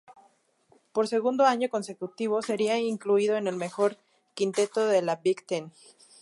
Por segundo año consecutivo sería incluido en el mejor quinteto de la Big Ten.